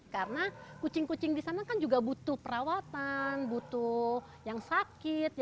karena kucing kucing di sana kan juga butuh perawatan butuh yang sakit